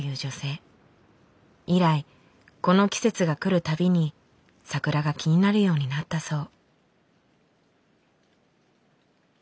以来この季節が来るたびに桜が気になるようになったそう。